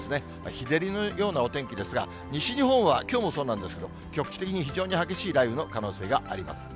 日照りのようなお天気ですが、西日本はきょうもそうなんですけど、局地的に非常に激しい雷雨の可能性があります。